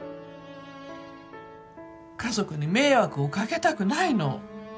家族に迷惑を掛けたくないの。